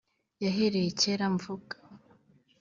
yahereye kera amvuga